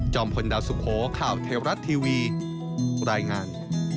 พลดาวสุโขข่าวเทวรัฐทีวีรายงาน